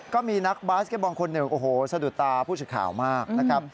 ก็มีนักบาสเก็ตบอลคนหนึ่งโอ้โหสะดุดตาผู้สื่อข่าวมากนะครับ